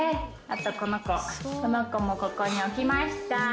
あとこの子もここに置きました。